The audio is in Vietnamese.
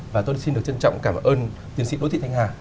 và tôi xin được trân trọng cảm ơn tiến sĩ đỗ thị thanh hà